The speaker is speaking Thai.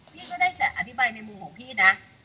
พี่ก็ได้แต่อธิบายในมุมของพี่นะ